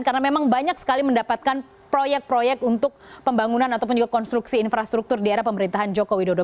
karena memang banyak sekali mendapatkan proyek proyek untuk pembangunan ataupun juga konstruksi infrastruktur di era pemerintahan joko widodo